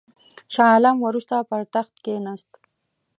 شاه عالم وروسته پر تخت کښېنست.